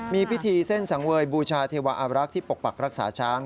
มีพิธีเส้นสังเวยบูชาเทวอารักษ์ที่ปกปักรักษาช้าง